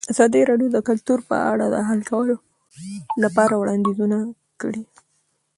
ازادي راډیو د کلتور په اړه د حل کولو لپاره وړاندیزونه کړي.